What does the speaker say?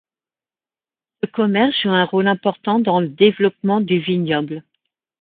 Ce commerce joue un rôle important dans le développement du vignoble.